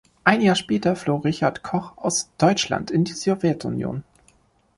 Ein Jahr später floh Richard Koch aus Deutschland in die Sowjetunion.